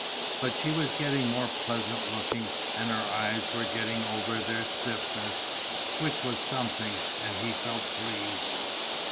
But she was getting more pleasant looking and her eyes were getting over their "stiffness" which was something, and he felt pleased.